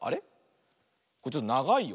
これちょっとながいよ。